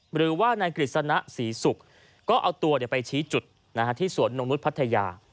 หรือว่านายกฤษณะศรีศุกร์ก็เอาตัวไปชี้จุดที่สวนนงนุษย์พัทยา